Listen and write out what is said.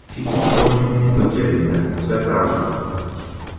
Všichni samozřejmě dobře víme, co je pravdou.